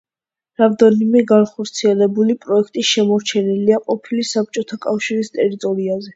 რამდენიმე განხორციელებული პროექტი შემორჩენილია ყოფილი საბჭოთა კავშირის ტერიტორიაზე.